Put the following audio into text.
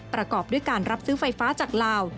ประกอบด้วยการรับซื้อไฟฟ้าจากลาว